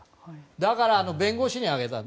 だから弁護士にあげたと。